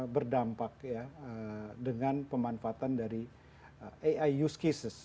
berdampak ya dengan pemanfaatan dari ai use cases